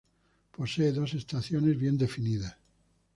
Posee dos estaciones bien definidas.